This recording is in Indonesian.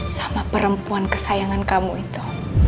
sama perempuan kesayangan kamu itu